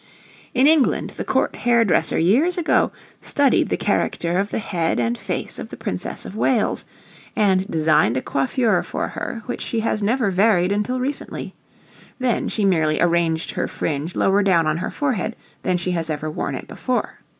In England, the court hair dresser years ago studied the character of the head and face of the Princess of Wales, and designed a coiffure for her which she has never varied until recently; then she merely arranged her fringe lower down on her forehead than she has ever worn it before.